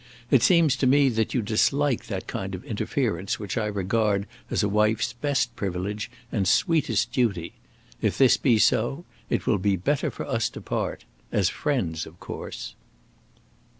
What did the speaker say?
It seems to me that you dislike that kind of interference which I regard as a wife's best privilege and sweetest duty. If this be so, it will be better for us to part, as friends of course."